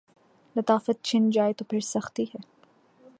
لطافت چھن جائے تو پھر سختی ہے۔